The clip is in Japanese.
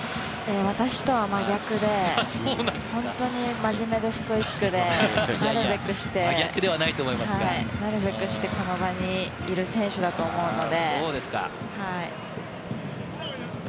私は真逆で本当に真面目でストイックで、なるべくして、この場にいる選手だと思うので。